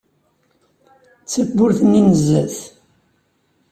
D tawwurt-nni n zzat.